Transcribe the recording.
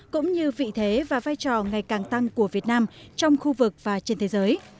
cũng như vị thế và vai trò ngày càng tăng của việt nam trong khu vực và trên thế giới